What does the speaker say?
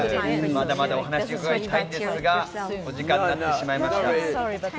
まだまだお話伺いたいんですがお時間になってしまいました。